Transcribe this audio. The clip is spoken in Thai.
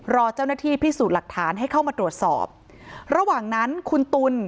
รอเจ้าหน้าที่พิสูจน์หลักฐานให้เข้ามาตรวจสอบระหว่างนั้นคุณตุ๋น